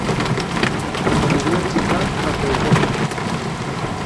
Preferiria visitar Rafelcofer.